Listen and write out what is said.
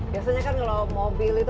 biasanya kan kalau mobil itu